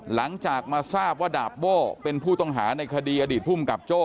หลังจากมาทราบว่าดาบโบ้เป็นผู้ต้องหาในคดีอดีตภูมิกับโจ้